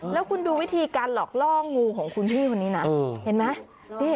แล้วคุณดูวิธีการหลอกล่องูของคุณพี่คนนี้นะเห็นไหม